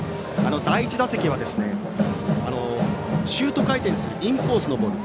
第１打席はシュート回転するインコースのボール。